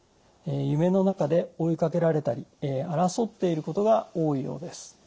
夢の中で追いかけられたり争っていることが多いようです。